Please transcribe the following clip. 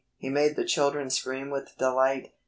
He made the children scream with delight.